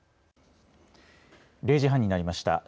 ０時半になりました。